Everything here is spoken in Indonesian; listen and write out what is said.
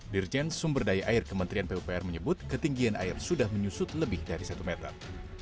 dirjen sumber daya air kementerian pupr menyebut ketinggian air sudah menyusut lebih dari satu meter